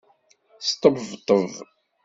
Sṭebṭeb.